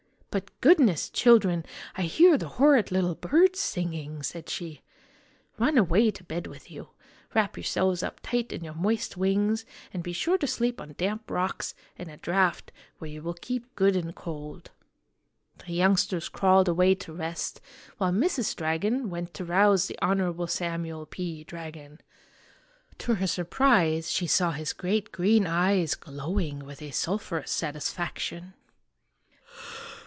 " But goodness, children, I hear the horrid little birds singing !" said she. " Run away to bed with you. Wrap yourselves up tight in your moist wings, and be sure to sleep on damp rocks in a draught where you will keep good and cold." The youngsters crawled away to rest, while Mrs. Dragon went to rouse the Honorable Samuel P. Dragon. To her surprise she saw his great green eyes glowing with a sulphurous satisfaction.